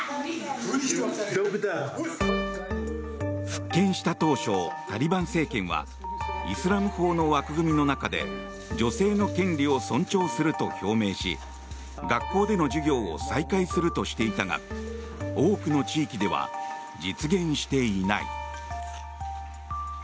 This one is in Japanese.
復権した当初、タリバン政権はイスラム法の枠組みの中で女性の権利を尊重すると表明し学校での授業を再開するとしていたが多くの地域では実現していない。